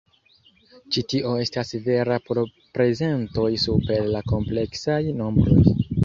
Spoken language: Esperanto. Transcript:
Ĉi tio estas vera por prezentoj super la kompleksaj nombroj.